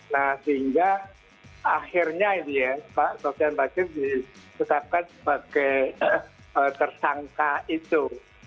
nah sehingga akhirnya pak sofian basir disetapkan sebagai tersangka itu